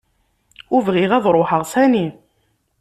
Ur bɣiɣ ad ruḥeɣ sani.